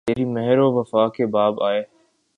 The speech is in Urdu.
تیری مہر و وفا کے باب آئے